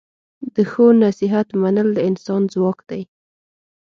د ښو نصیحت منل د انسان ځواک دی.